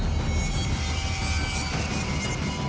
ya kita kembali ke sekolah